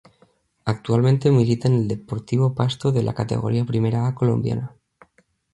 Actualmente milita en el Deportivo Pasto de la Categoría Primera A colombiana.